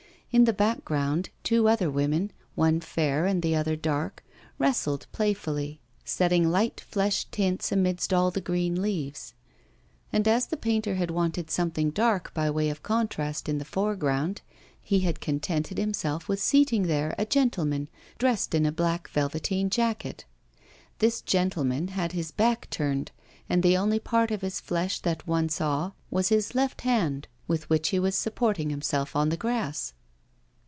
In the background, two other women, one fair, and the other dark, wrestled playfully, setting light flesh tints amidst all the green leaves. And, as the painter had wanted something dark by way of contrast in the foreground, he had contented himself with seating there a gentleman, dressed in a black velveteen jacket. This gentleman had his back turned and the only part of his flesh that one saw was his left hand, with which he was supporting himself on the grass.